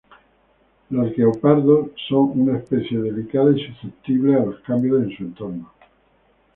Los guepardos son una especie delicada y susceptible a los cambios en su entorno.